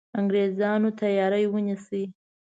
انګرېزانو تیاری ونیسي.